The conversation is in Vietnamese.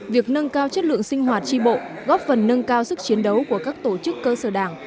việc nâng cao chất lượng sinh hoạt tri bộ góp phần nâng cao sức chiến đấu của các tổ chức cơ sở đảng